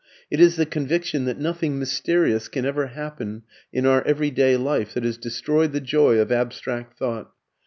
It is the conviction that nothing mysterious can ever happen in our everyday life that has destroyed the joy of abstract thought.